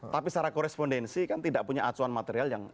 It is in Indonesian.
tapi secara korespondensi kan tidak punya acuan material yang